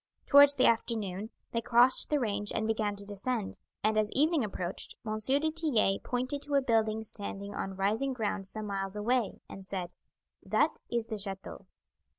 Towards the afternoon they crossed the range and began to descend, and as evening approached M. du Tillet pointed to a building standing on rising ground some miles away and said: "That is the chateau."